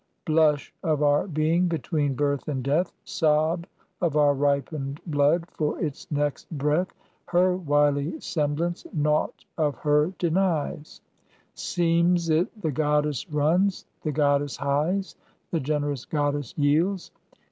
Blush of our being between birth and death: Sob of our ripened blood for its next breath: Her wily semblance nought of her denies; Seems it the Goddess runs, the Goddess hies, The generous Goddess yields.